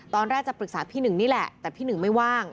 ตอนแรกจะปรึกษาพี่หนึ่งนี่แหละแต่พี่หนึ่งไม่ว่าง